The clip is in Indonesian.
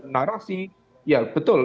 narasi ya betul